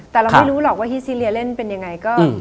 แต่เราไม่รู้หรอกว่าฮิสซีเรียเล่นเป็นยังไง